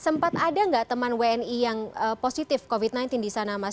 sempat ada nggak teman wni yang positif covid sembilan belas di sana mas